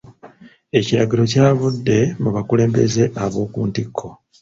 Ekiragiro kyavudde mu bakulembeze ab'oku ntikko.